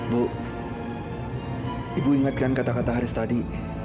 bu ibu ingatkan kata kata haris tadi